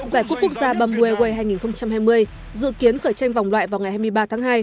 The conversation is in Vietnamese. giải quốc gia bambueway hai nghìn hai mươi dự kiến khởi tranh vòng loại vào ngày hai mươi ba tháng hai